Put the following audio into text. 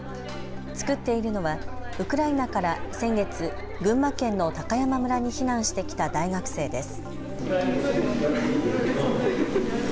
作っているのはウクライナから先月群馬県の高山村に避難してきた大学生です。